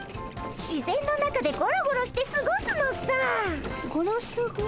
自然の中でゴロゴロしてすごすのさ。ゴロスゴ。